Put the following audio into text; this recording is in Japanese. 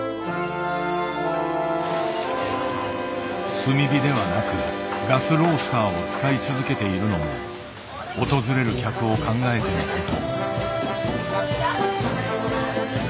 炭火ではなくガスロースターを使い続けているのも訪れる客を考えてのこと。